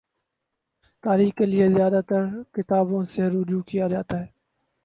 تاریخ کے لیے زیادہ ترکتابوں سے رجوع کیا جاتا ہے۔